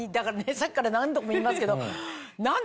さっきから何度も言いますけど。